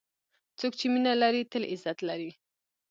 څوک چې مینه لري، تل عزت لري.